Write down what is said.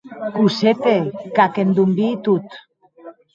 Cosette, qu’ac endonvii tot.